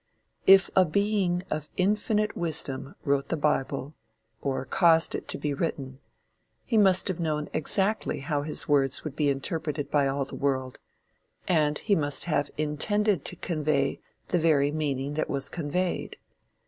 If a being of infinite wisdom wrote the bible, or caused it to be written, he must have known exactly how his words would be interpreted by all the world, and he must have intended to convey the very meaning that was conveyed.